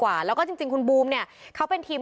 คือตอนนั้นหมากกว่าอะไรอย่างเงี้ย